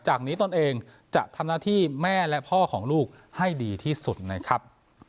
จากนี้ตนเองจะทำหน้าที่แม่และพ่อของลูกให้ดีที่สุดนะครับ